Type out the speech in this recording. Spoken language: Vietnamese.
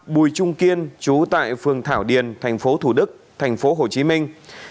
năm bùi trung kiên chú tại phường thảo điền tp thủ đức tp hồ chí minh